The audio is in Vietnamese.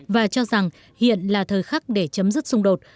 và cho rằng hiện là thời khắc để chấm dứt xung đột